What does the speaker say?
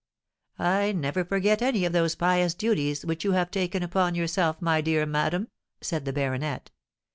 "I never forget any of those pious duties which you have taken upon yourself, my dear madam," said the baronet.